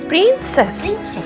plugin konstruksi pun pengen nyanyi